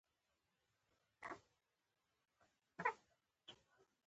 علامه حبيبي د افغانستان د علمي حلقو مشر و.